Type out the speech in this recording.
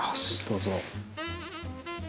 どうぞ。